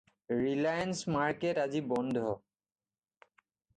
Reliance market আজি বন্ধ।